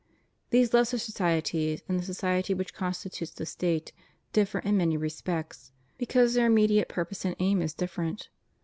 These lesser societies and the society which constitutes the State differ in many respects, because their immediate purpose and aim is different.